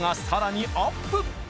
さらにアップ